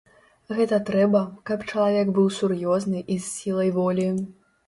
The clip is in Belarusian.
Гэта трэба, каб чалавек быў сур'ёзны і з сілай волі.